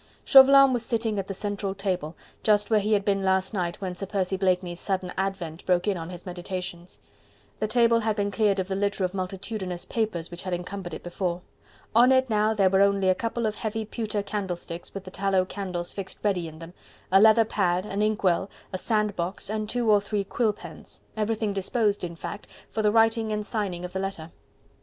Chauvelin was sitting at the central table, just where he had been last night when Sir Percy Blakeney's sudden advent broke in on his meditations. The table had been cleared of the litter of multitudinous papers which had encumbered it before. On it now there were only a couple of heavy pewter candlesticks, with the tallow candles fixed ready in them, a leather pad, an ink well, a sand box and two or three quill pens: everything disposed, in fact, for the writing and signing of the letter.